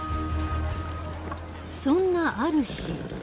そんなある日。